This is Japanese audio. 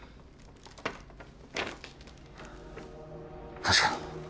確かに